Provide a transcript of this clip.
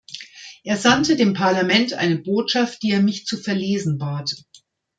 Er sandte dem Parlament eine Botschaft, die er mich zu verlesen bat.